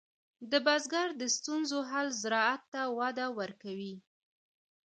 د بزګر د ستونزو حل زراعت ته وده ورکوي.